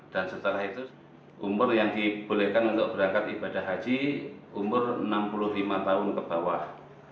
dan setelah itu umur yang dibolehkan untuk berangkat ibadah haji umur enam puluh lima tahun ke bawah